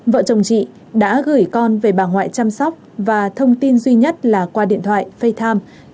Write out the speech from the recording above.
vợ chồng chị đã gửi con về bà ngoại chăm sóc và thông tin duy nhất là qua điện thoại fay times